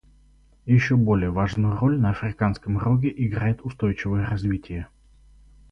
Еще более важную роль на Африканском Роге играет устойчивое развитие.